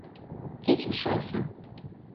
Geçmiş olsun.